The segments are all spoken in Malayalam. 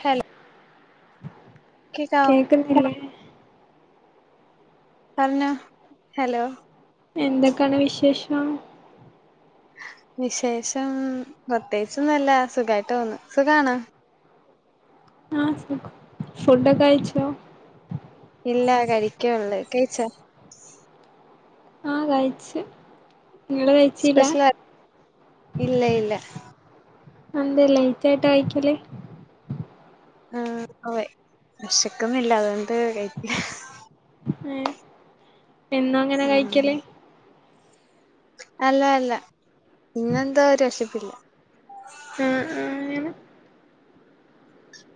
ഹെ കേൾക്കുന്നില്ലേ പറഞ്ഞോ ഹലോ എന്തൊക്കാണ് വിശേഷം വിശേഷം പ്രത്യേകിച്ചൊന്നുംല്ല സുഖായിട്ട് പോവുന്നു സുഖാണോ ആഹ് സുഖം ഫുഡൊക്കെ കയ്ച്ചോ ഇല്ല കഴിക്കള്ള് കഴിച്ചാ ആഹ് കഴിച്ച് നിങ്ങള് കഴിച്ചില്ല സ്പെഷല ഇല്ല ഇല്ല ന്താ ലൈറ്റ് ആയിട്ട് കയിക്കല് ആ പ്പൊ വിശക്കുന്നില്ല അതോണ്ട് ഏ എന്നാ അങ്ങനെ ഉം കഴിക്കല് അല്ല അല്ല പിന്നെന്താ ഒരു വെശപ്പില്ല ആ ആ അങ്ങനെ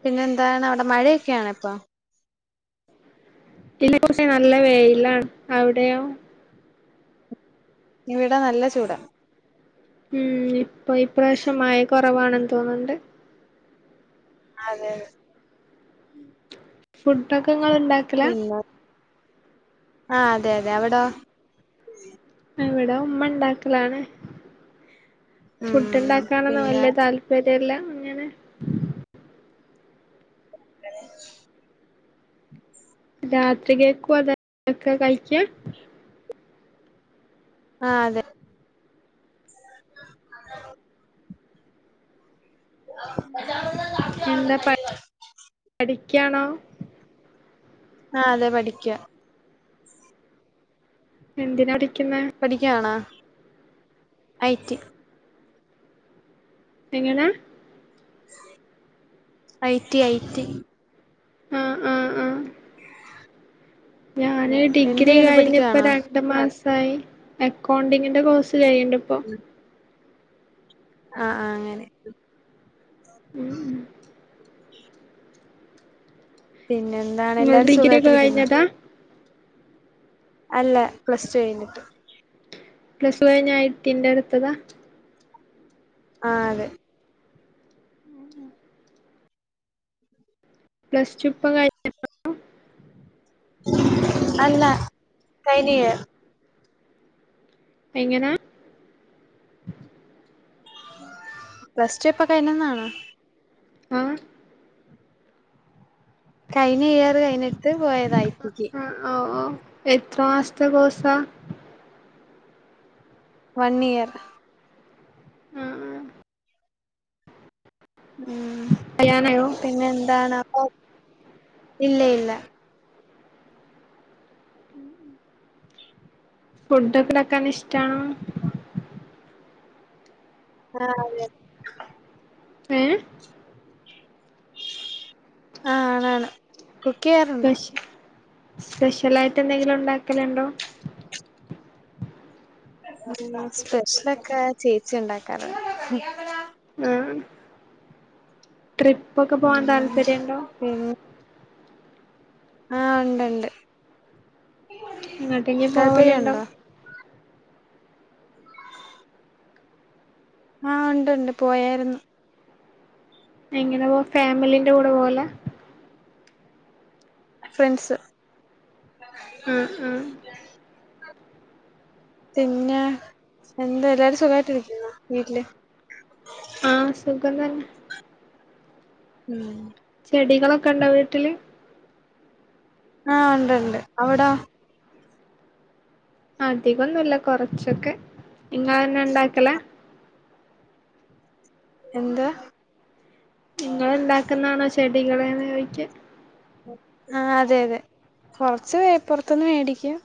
പിന്നെ എന്താണ് അവിടെ മഴയൊക്കെയാണ് ഇപ്പൊ ഇല്ല ച്ച നല്ല വെയിലാണ് അവിടെയോ ഇവിടെ നല്ല ചൂടാ ഉം ഇപ്പൊ ഇപ്രാവശ്യം മഴ കൊറവാണെന്ന് തോന്നണ്ട് അതെ അതെ ഫുഡൊക്കെ ഇങ്ങള് ണ്ടാക്കലാ ആ അതെ അതെ അവിടോ ഇവിടെ ഉമ്മ ഉണ്ടാക്കലാണ് ഫുഡ് ഉം ഉണ്ടാക്കാനൊന്നും പിന്നെ വല്ല്യ താല്പര്യ രില്ല അങ്ങനെ [unintelligible] രാത്രി ക്കേക്കും അതൊക്കെ കഴിക്ക ആ അതെ [unintelligible] എന്താ പഠിക്ക്യാണോ ആഹ അതെ പഠിക്ക്യ എന്തിനാടി പഠിക്കാണാ ഐടി എങ്ങനാ ഐടി ഐടി ആ ആ ആ ഞാന് എന്ത് ഡിഗ്രി ചെയ്യുന്നു കഴിഞ്ഞപ്പോ പഠിക്കുവാണോ രണ്ട മാസം അക്കൗണ്ടിങ്ങിന്റെ കോഴ്സ് ചെയ്യ്ണ്ട് ഇപ്പൊ ആഹ ആഹ് അങ്ങനെ ഉം പിന്നെ എന്താണ് നിങ്ങൾ എല്ലാരും ഡിഗ്രി സുഖായിട്ട് ഒക്കെ ഇരിക്ക്ന്നോ? കഴിഞ്ഞതാ അല്ല പ്ലസ്ടു കഴിഞ്ഞിട്ട്. പ്ലസ്ടു കയിഞ്ഞ [unintelligible] ഇട്‌ത്തതാ ആ അതെ. പ്ലസ്ടുപ്പ [unintelligible] അല്ല കൈഞ്ഞ യിർ. എങ്ങനാ? പ്ലസ്ടു ഇപ്പൊ കയ്നന്നാണോ? ആ. കഴഞ്ഞ യ്യറ് കൈഞ്ഞെട്ട് പോയതാ ഐ ടിക്ക്. ആഹ് ഓഹ് ഓഹ് എത്ര മാസത്തെ കോസാ? One year. ഉം. ഉം കഴിയാനായോ പിന്നെ എന്താണ് [inaudible] ഇല്ല ഇല്ല. ഫുഡൊ [unintelligible] ഇഷ്ടണോ? ആഹ് അതെ-അതെ. ഏ ആണാണ് കുക്ക് ചെയ്യാറുണ്ട്. സ്പെഷ്യ സ്പെഷ്യലായിട്ട് എന്തെങ്കിലും ഉണ്ടാക്കലിണ്ടോ? മ്മ് സ്പെഷ്യലൊക്കെ ചേച്ചി ഇണ്ടാക്കാറിണ്ട്. ആഹ്. ട്രിപ്പൊക്കെ പോവാൻ ഉം താല്പര്യുണ്ടോ? ആഹ ഉണ്ട്ണ്ട്. എങ്ങോട്ടെങ്കി പോവലുണ്ടോ താല്പര്യുണ്ടോ? [inaudible] ആഹ് ഉണ്ട്ണ്ട് പോയാരുന്നു. എങ്ങനെ പോവ ഫാമിലിന്റെ കൂടെ പോവലാ? ഫ്രണ്ട്സ്. ഉം-ഉം പിന്നെ എന്താ എല്ലാരും സുഖായിട്ട് ഇരിക്കുന്ന വീട്ടില്? ആഹ് സുഖം തന്നെ. ഉം. ചെടികളൊക്കെ ഉണ്ടോ വീട്ടില്? ആഹ ഉണ്ടുണ്ട്. അവിടൊ? അധികൊന്നല്ല കൊറച്ചൊക്കെ. നിങ്ങ തന്നെ ഇണ്ടാക്കലാ? എന്താ? നിങ്ങ ഉണ്ടാക്കുന്നാണോ ചെടികളെന്ന് ചോയിക്ക. ആ അതെ അതെ. കൊറച്ച്പൊറത്തൊന്ന് മേടിക്കും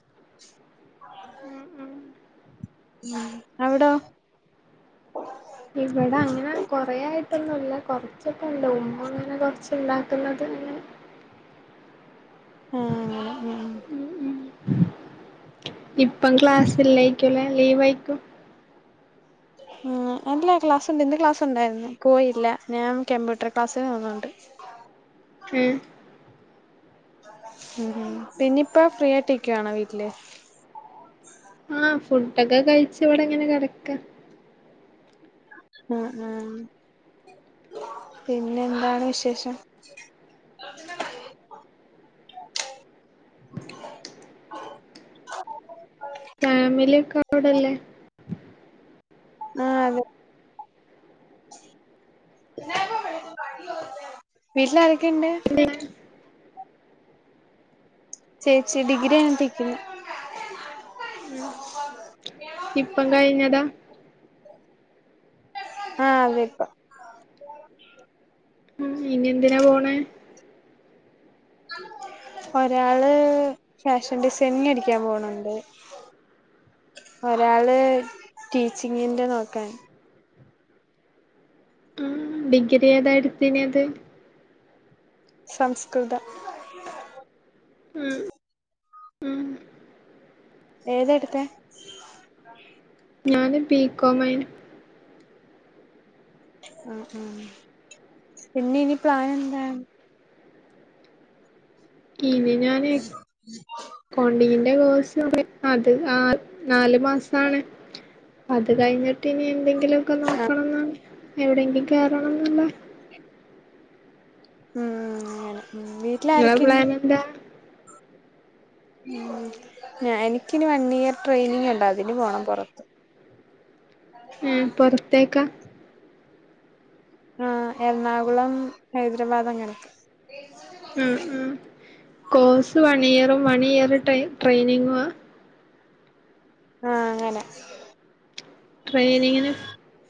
അവിടോ? ഇവിടെ അങ്ങനെ കൊറ ആയിട്ടൊന്നുംല്ല കൊറച്ചൊക്ക ഇണ്ട് ഉമ്മ അങ്ങനെ കൊറച്ച് ഉണ്ടാക്കുന്നത് ആ ആഹ് അങ്ങനെ ഉം ഉം ഇപ്പം ക്ലാസ്സ് ഇല്ലായിക്കുല്ലെ ലീവ് ആയിക്കും. ഉ അല്ല ക്ലാസുണ്ട് ഇന്ന് ക്ലാസ് ഉണ്ടായിരുന്നു പോയില്ല. ഞാൻ കമ്പ്യൂട്ടർ ക്ലാസ്സിൻ പോന്നൊണ്ട്. [inaudible] ഉം. ഉ പിന്നിപ്പ ഫ്രീ ആയിട്ടിക്കുവാണോ വീട്ടില്? ആഹ് ഫുഡ്‌ ഒക്കെ കയിച്ച് ഇവിടെ ങ്ങനെ കിടക്കാ. ഉം-ഉം. പിന്നെ എന്താണ് വിശേഷം? [inaudible] ഫാമിലിക്കെ അവിടെല്ലേ ആഹ അതെ വീട്ടിലരോ ക്കിണ്ട് ചേച്ചി ഡിഗ്രികയിട്ടിക്കിന്ന് ഉം ഇപ്പം കഴിഞ്ഞതാ ആഹ അതെപ്പം ഉം ഇനി എന്തിനാ പോണ ഒരാള് ഫാഷൻ ഡിസൈനിങ് പടിക്കാൻ പോണണ്ട് ഒരാള് ടീച്ചിങ്ങിന്റെ നോക്കാൻ ഉം ഡിഗ്രി ഏതാടുത്തിനത് സംസ്കൃത ഉം-ഉം ഏതടുത്തെ ഞാന് ബികോംയിന് ആ ആ പിന്നെ ഇനി പ്ലൻ എന്താ ഇനി ഞാൻ കോണ്ടിങ് എന്റെ കോഴ്സ് അത് ആ നാല്ു മാസാണ് അത് കഴിഞ്ഞിട്ട് ഇനി എന്തെങ്കിലും എന്തങ്കില ഒക്കെ ആ നോക്കണം എന്ന എവിടെയങ്കിലും കേയറണം എന്നണ്ട ഉം അങ്ങനെ വീട്ടില നിങ്ങളെ ആാരൊക്കെയുണ്ട് പ്ലാൻ എന്താ ഞ എനിക്കിന് വൺ ഇയർ ട്രെയിനിങ് ഉണ്ട അതിന് പോണം പൊറത്ത് ഉം പുറത്തേക്കാ ആഹ എറണാകുളം ഹൈദരാബാദ് അങ്ങനൊക്കെ ഉ ഉ കോഴ്സ് വൺ ഇയറും വൺ ഇയർ ട്രെയിനിങ്ങും ആ ആഹ അങ്ങനെ ട്രെയിനിങ്ങിന്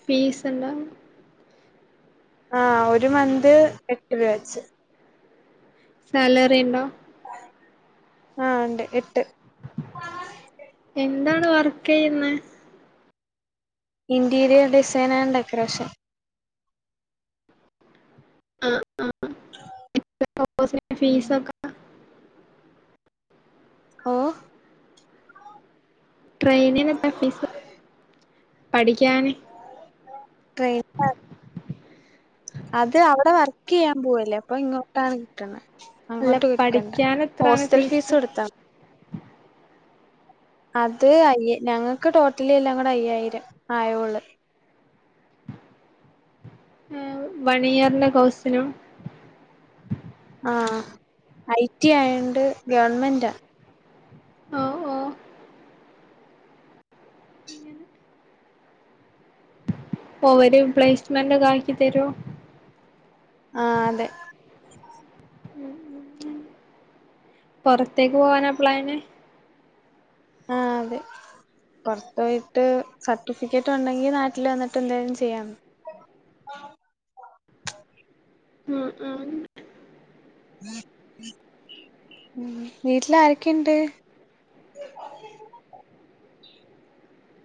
ഫീസ എന്താ ആ ഒരു മന്ത് എട്ട് രൂപ വച്ച് സാലറി ഇണ്ടോ ആഹ ഉണ്ട് എട്ട് എന്താണ് വർക്ക് ചെയ്യുന്നെ ഇന്റീരിയർ ഡിസൈൻ ആൻഡ് ഡെക്കറേഷൻ ആ ആ [unintelligible] ഫീസ ഒക്കെ ഓ ട്രെയിനിനൊക്കെ ഫീസ് പഠിക്കാന് ട്രെയിൻ [unintelligible] അത് അവിടെ വർക്ക് ചെയ്യാൻ പോവല്ലേ അപ്പൊ ഇങ്ങോട്ടാണ് കിട്ടണ അല്ല അങ്ങോട്ട് കൊടുക്കണ്ട പഠിക്കാൻ എത്രാണ് ഹോസ്റ്റൽ ഫീസ് കൊടുത്ത [inaudible] അത് അയ്യ ഞങ്ങക്ക് ടോട്ടലി എല്ലാം കൂടെ അയ്യായിരം ആയുള്ള ആ വണിയറിന്റെ കോസിനും ആ ഐടി ആയണ്ട് ഗവൺമെന്റ്ാ ഓ ഓ ഓവര പ്ലേസ്മെന്റ് ഒക്കെ ആക്കി തരുമോ ആഹ അതെ പുറത്തേക്ക് പോവാനാപ്പ്ളാന് ആഹ അതെ പുൊറത്ത പോയിട്ട് സർട്ടിഫിക്കറ്റ് ഉണ്ടെങ്കി നാട്ടിൽ വന്നിട്ട് എന്തേലും ചെയ്യാം ഉം ഉം ഉ വീട്ടില ആരൊക്കെയുണ്ട്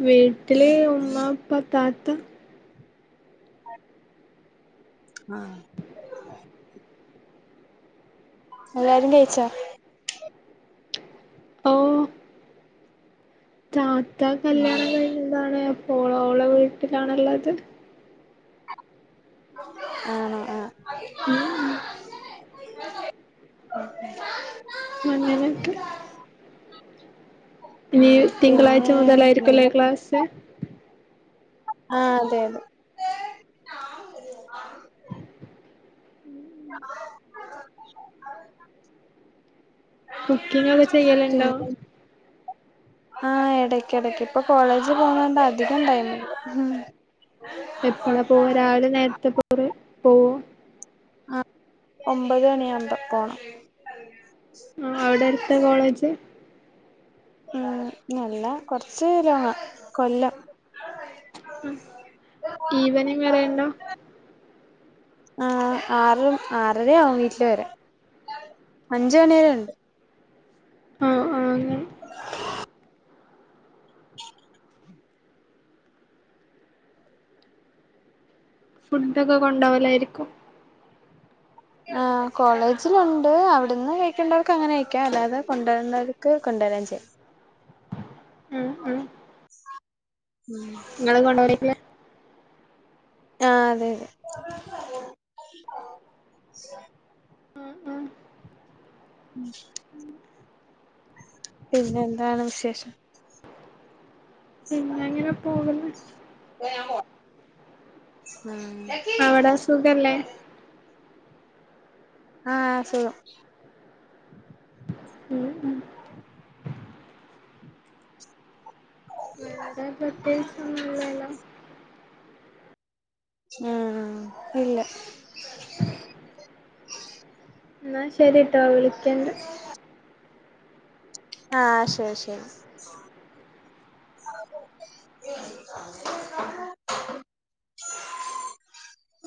വീട്ടില് ഉമ്മ ഉപ്പ താത്ത ആ എല്ലാരും കഴിച്ചാ ഓ താത്ത കല്യാണം കഴിഞ്ഞതാണ് എന്താണ് ഓള് ഓളെ വീട്ടിലാണുള്ളത് ആണോ ആ ഉം [unintelligible] അങ്ങനൊക്കെ ഇനി ഉം പിന്നെ തിങ്കളാഴ്ച മുതലായിരിക്കുംല്ലേ ക്ലാസ് ആഹ അതെ അതെ [inaudible] [unintelligible] കുക്കിംഗ ഒക്കെ ചെയ്യലുണ്ടോ ആഹ ഇടക്ക് ഇടക്ക് ഇപ്പൊ കോളേജ് പോണോണ്ട് അധികം ടൈമില്ല എപ്പഴാ പോവ രാവിലെ നേരത്തെ പോര് പോവോ ആ ഒമ്പത് മണി ആവുമ്പ പോണം ആ അവിടെ അടുത്ത കോളേജ് ഉം അല്ല കൊറച്ച് ലോങ്ങ കൊല്ലം ഈവനിംഗ് വറെയുണ്ടോ ആ ആറര ആറരയാവും വീട്ടില് വരാൻ അഞ്ചമണേരം ഉണ്ട് ആഓ ആ ഫുഡക്കെ കൊണ്ടാവലായിരിക്കും ആ കോളേജിലുണ്ട് അവിടുന്ന് കഴിക്കേണ്ടവർക്ക് അങ്ങനെ കയിക്കാം അല്ലാതെ കൊണ്ടുവരണ്ടവർക്ക് കൊണ്ട തുരഞ്ച് [unintelligible] ഉം ഉം ഉം ആ അതെ അതെ ആ ആ ഉം പിന്നെ എന്താണ് വിശേഷം പിന്നെ [unintelligible] അങ്ങനെ [inaudible] പോകുന്നു അ ആ അവിടെ സുഖല്ലേ ആഹ് ശരി ഉം ഉം പ്രത്യേക സമുള്ളെല്ലാം ആഹ ഇല്ല എന്നാ ശരി ട്ടോ വിളിക്കണ്ട് ആഹ അശെരി ശരി [inaudible] [unintelligible] [unintelligible] [inaudible]